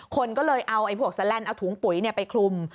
คนก็เลยเอาไอ้พวกแสลนเอาถุงปุ๋ยเนี่ยไปคลุม